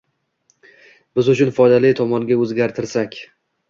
Biz uchun foydali tomonga o’zgartirsak